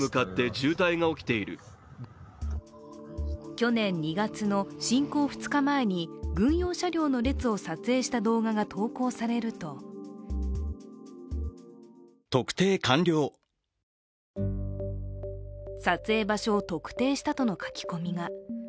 去年２月の侵攻２日前に軍用車両の列を撮影した動画が投稿されると撮影場所を特定したとの書き込みが。